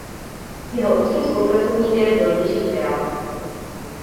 Jeho úzkým spolupracovníkem byl Jiří Fiala.